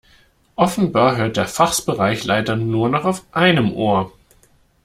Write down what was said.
Offenbar hört der Fachbereichsleiter nur noch auf einem Ohr.